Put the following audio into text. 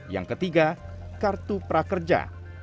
yang ketiga kartu prakerja